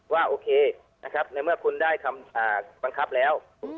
ว่านะครับในเมื่อคุณได้คำอ่าบังคับแล้วอืม